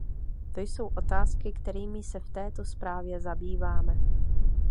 To jsou otázky, kterými se v této zprávě zabýváme.